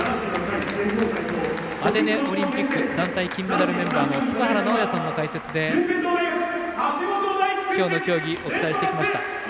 アテネオリンピック団体金メダルメンバーの塚原直也さんの解説で今日の競技お伝えしてきました。